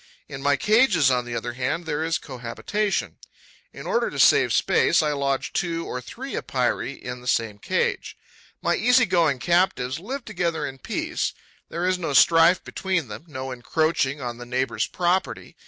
In my cages, on the other hand, there is cohabitation. In order to save space, I lodge two or three Epeirae in the same cage. My easy going captives live together in peace. There is no strife between them, no encroaching on the neighbour's property.